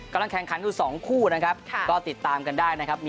กำลังแข่งขันทุกสองคู่นะครับใช่ติดตามกันได้นะครับ